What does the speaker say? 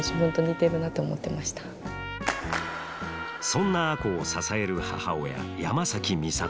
そんな亜子を支える母親山崎美里。